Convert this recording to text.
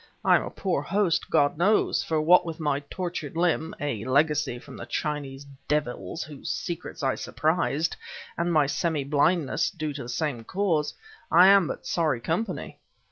I am a poor host, God knows; for what with my tortured limb, a legacy from the Chinese devils whose secrets I surprised, and my semi blindness, due to the same cause, I am but sorry company."